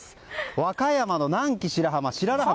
和歌山の南紀白浜・白良浜。